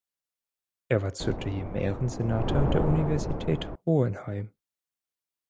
Er war zudem Ehrensenator der Universität Hohenheim.